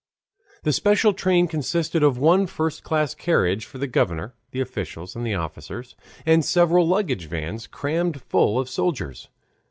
The special train consisted of one first class carriage for the governor, the officials, and officers, and several luggage vans crammed full of soldiers.